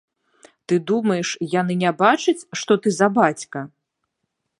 Ты думаеш, яны не бачаць, што ты за бацька?